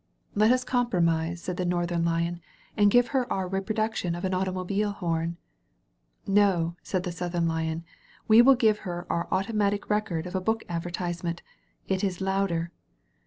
'^ Let us compromise," said the Northern Lion, "and give her our reproduction of an automobile horn." \ "No," said the Southern Lion, "we will give her .;Qur automatic record of a Book Advertisement; it is louder."